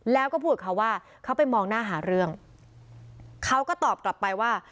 แล้วก็พูดกับเขาว่าเขาไปมองหน้าหาเรื่องเขาก็ตอบกลับไปว่า